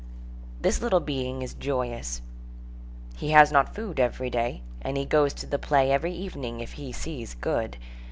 This little being is joyous. He has not food every day, and he goes to the play every evening, if he sees good.